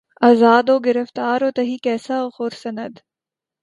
آزاد و گرفتار و تہی کیسہ و خورسند